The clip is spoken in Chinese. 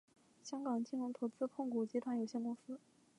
香港金融投资控股集团有限公司。